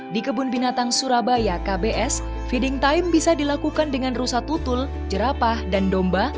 di kebun binatang surabaya kbs feeding time bisa dilakukan dengan rusa tutul jerapah dan domba